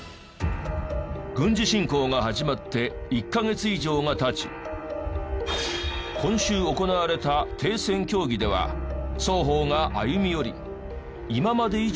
軍事侵攻が始まって１カ月以上が経ち今週行われた停戦協議では双方が歩み寄り今まで